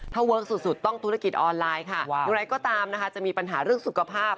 ถ้าเวิร์คสุดต้องธุรกิจออนไลน์ค่ะอย่างไรก็ตามนะคะจะมีปัญหาเรื่องสุขภาพ